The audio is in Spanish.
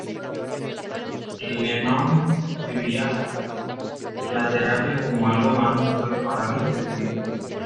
Lennon describiría la terapia como "algo más importante para mí que The Beatles.".